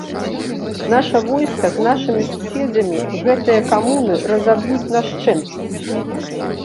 Наша войска з нашымі суседзямі гэтыя камуны разаб'юць нашчэнт!